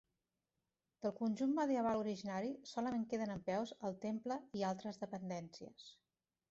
Del conjunt medieval originari solament queden en peus el temple i altres dependències.